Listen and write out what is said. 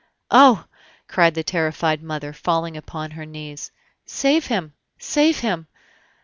"Oh!..." cried the terrified mother, falling upon her knees; "save him! save him!"